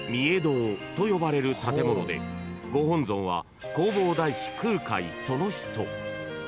［と呼ばれる建物でご本尊は弘法大師空海その人］